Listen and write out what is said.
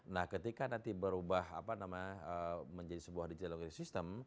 nah ketika nanti berubah menjadi sebuah digital library system